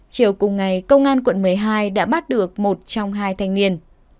chiều cùng ngày công an quận một mươi hai đã bắt được một trong hai thanh niên